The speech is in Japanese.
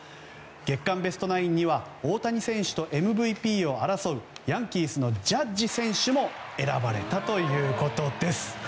月間ベストナインには大谷選手とＭＶＰを争うヤンキースのジャッジ選手も選ばれたということです。